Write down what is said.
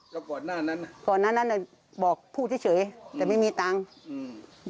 แล้วก่อนหน้านั้นอ่ะก่อนหน้านั้นอ่ะบอกพูดเฉยเฉยแต่ไม่มีตังค์อืม